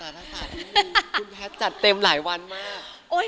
สารศาสตร์ที่คุณแพทย์จัดเต็มหลายวันมาก